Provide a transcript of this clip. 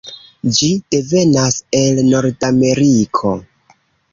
Ĝi devenas el nordameriko.